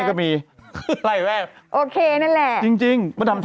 อะไรแหละแม่